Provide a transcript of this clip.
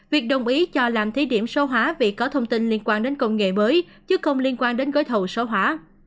việc đồng ý cho làm thí điểm số hóa vì có thông tin liên quan đến công nghệ mới chứ không liên quan đến gói thầu số hóa